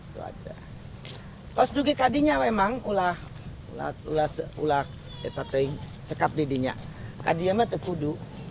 terus juga tadi memang ular ular sekap didinya tadi itu sudah terkuduk